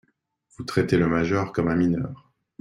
Vous traitez le majeur comme un mineur.